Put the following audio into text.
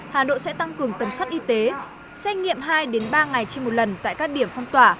hà nội sẽ tăng cường tầm soát y tế xét nghiệm hai ba ngày trên một lần tại các điểm phong tỏa